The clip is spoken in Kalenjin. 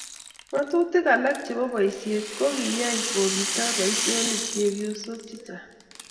ng'atutik alak che bo boisie ko kiyai kobisto boisionik chepyosok chechang'